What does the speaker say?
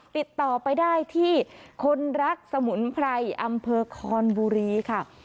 ติดต่อไปได้ที่คนรักสมุนไพรอำเภอคอนบุรีค่ะ